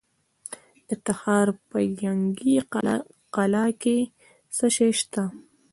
د تخار په ینګي قلعه کې څه شی شته؟